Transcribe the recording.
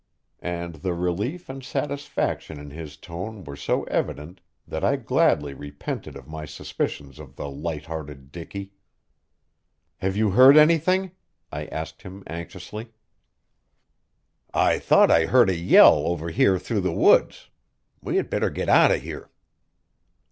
And the relief and satisfaction in his tone were so evident that I gladly repented of my suspicions of the light hearted Dicky. "Have you heard anything?" I asked him anxiously. "I thought I heard a yell over here through the woods. We had better get out of here."